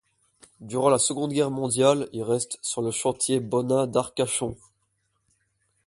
Durant la Seconde Guerre mondiale, il reste sur le chantier Bonnin d'Arcachon.